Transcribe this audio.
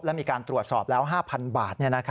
และมีการตรวจสอบแล้ว๕๐๐บาท